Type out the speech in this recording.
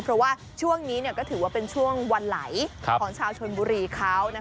เพราะว่าช่วงนี้ก็ถือว่าเป็นช่วงวันไหลของชาวชนบุรีเขา